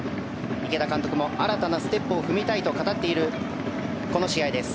池田監督も新たなステップを踏みたいと語っているこの試合です。